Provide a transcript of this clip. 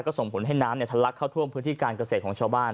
ก็ส่งผลให้น้ำทะลักเข้าท่วมพื้นที่การเกษตรของชาวบ้าน